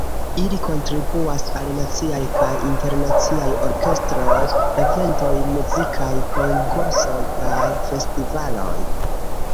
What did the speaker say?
Ili kontribuas al naciaj kaj internaciaj orkestroj, eventoj, muzikaj konkursoj kaj festivaloj.